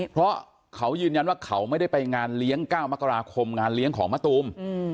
เพราะเขายืนยันว่าเขาไม่ได้ไปงานเลี้ยง๙มกราคมงานเลี้ยงของมะตูม